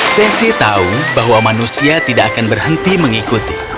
sesi tahu bahwa manusia tidak akan berhenti mengikuti